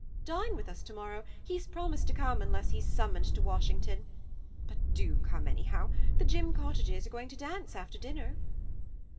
Dine with us to morrow; he's promised to come unless he's summoned to Washing ton. But do come anyhow ; the Jim Cottages are going to dance after dinner.